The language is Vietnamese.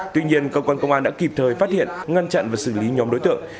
tuy nhiên cơ quan công an đã kịp thời phát hiện ngăn chặn và xử lý nhóm đối tượng